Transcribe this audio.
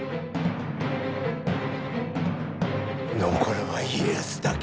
残るは家康だけ。